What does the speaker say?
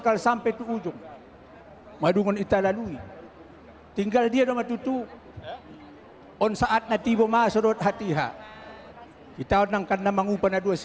ditonga tonganida kota mele